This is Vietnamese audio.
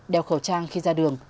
đeo khẩu trang khi ra đường